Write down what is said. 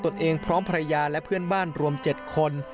ตัวเองพร้อมภรรยาและเพื่อนบ้านรวม๗คน